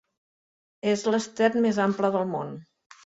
És l'estret més ample del món.